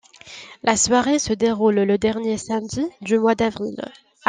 La soirée se déroule le dernier samedi du mois d'avril.